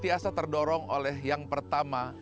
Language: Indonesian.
dan saya merasa terdorong oleh yang pertama